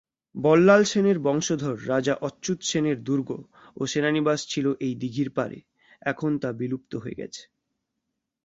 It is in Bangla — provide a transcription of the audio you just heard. বল্লাল সেনের বংশধর রাজা অচ্যুত সেনের দুর্গ ও সেনানিবাস ছিল এই দীঘির পারে, এখন তা বিলুপ্ত হয়েছে গেছে।